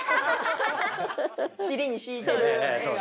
尻に敷いてる絵が。